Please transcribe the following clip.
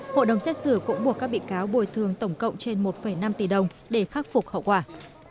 hội đồng xét xử cũng buộc các bị cáo bồi thường tổng cộng trên một năm tỷ đồng để khắc phục hậu quả